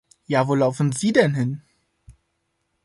Ja wo laufen Sie denn hin?